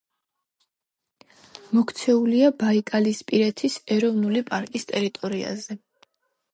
მოქცეულია ბაიკალისპირეთის ეროვნული პარკის ტერიტორიაზე.